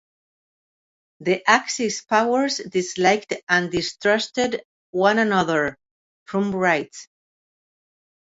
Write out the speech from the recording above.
"The Axis powers disliked and distrusted one another", Frum writes.